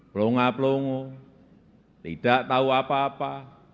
pelunga pelungu tidak tahu apa apa